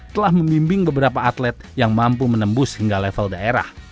telah membimbing beberapa atlet yang mampu menembus hingga level daerah